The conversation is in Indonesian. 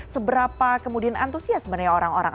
seberapa kemudian antusias sebenarnya orang orang